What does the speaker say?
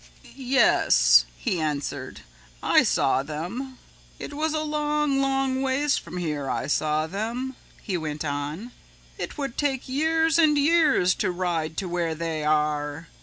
"Yes," he answered, "I saw them. "It was a long, long ways from here I saw them," he went on, "it would take years and years to ride to where they are.